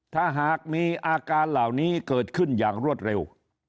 ถ้าหากมีอาการเหล่านี้เกิดขึ้นอย่างรวดเร็ว